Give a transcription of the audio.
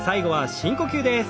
深呼吸です。